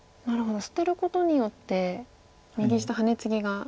捨てることによって右下ハネツギが。